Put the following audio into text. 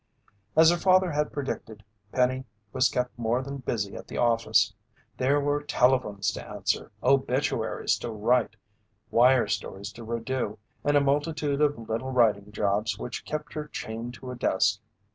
As her father had predicted, Penny was kept more than busy at the office. There were telephones to answer, obituaries to write, wire stories to redo, and a multitude of little writing jobs which kept her chained to a desk.